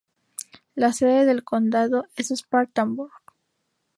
La sede del condado es Spartanburg.